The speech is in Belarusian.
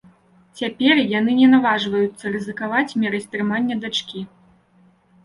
Цяпер яны не наважваюцца рызыкаваць мерай стрымання дачкі.